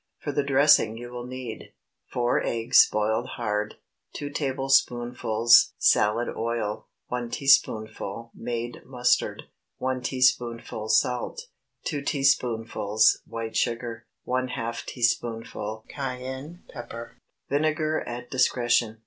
For the dressing you will need— 4 eggs, boiled hard. 2 tablespoonfuls salad oil. 1 teaspoonful made mustard. 1 teaspoonful salt. 2 teaspoonfuls white sugar. ½ teaspoonful cayenne pepper. _Vinegar at discretion.